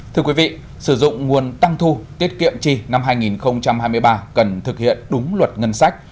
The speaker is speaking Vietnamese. thưa quý vị sử dụng nguồn tăng thu tiết kiệm chi năm hai nghìn hai mươi ba cần thực hiện đúng luật ngân sách